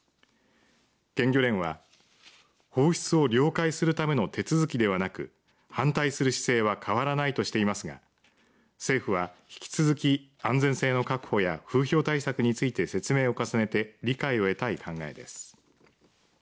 県漁連は、放出を了解するための手続きではなく反対する姿勢は変わらないとしていますが政府は引き続き安全性の確保や風評対策について説明を重ねて理解を得たい考えです。